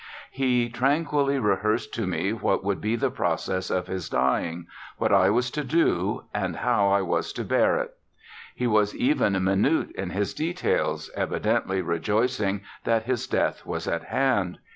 He tranquilly rehearsed to me what would be the process of his dying, what I was to do, and how I was to bear it. He was even minute in his details, evidently rejoicing that his death was at hand.